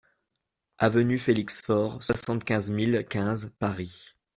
AV FELIX FAURE, soixante-quinze mille quinze Paris